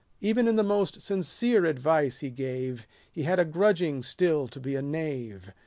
Even in the most sincere advice he gave, He had a grudging still to be a knave.